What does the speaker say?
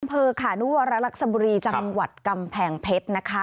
มาเปิดค่ะนวรรักษมศบุรีจังหวัดกำแผงเพชรนะคะ